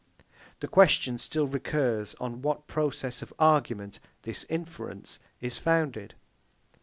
The question still recurs, on what process of argument this inference is founded?